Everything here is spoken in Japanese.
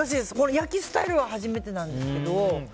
焼きスタイルは初めてなんですけど。